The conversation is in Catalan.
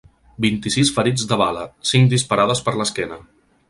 Vint-i-sis ferits de bala, cinc disparades per l’esquena.